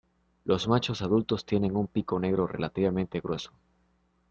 Los machos adultos tienen un pico negro relativamente grueso.